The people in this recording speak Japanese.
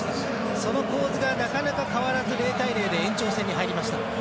その構図がなかなか変わらず０対０で延長戦に入りました。